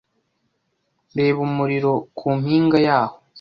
Reba umuriro ku mpinga yaho